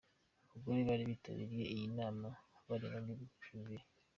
Abagore bari bitabiriye iyi nama barengaga ibihumbi bibiri.